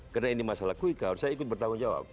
karena ini masalah quick out saya ikut bertanggung jawab